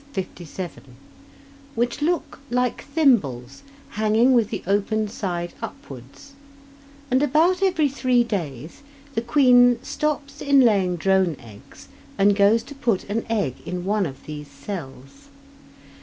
57) which look like thimbles hanging with the open side upwards, and about every three days the queen stops in laying drone eggs and goes to put an egg in one of these cells.